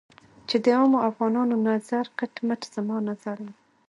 چې د عامو افغانانو نظر کټ مټ زما نظر و.